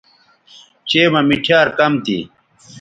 چئے مہ مِٹھیار کم تھی